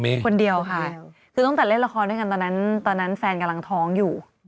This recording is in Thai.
ที่ช่วงนั้นโควิดที่เขาอยากไปดูลูกคลอด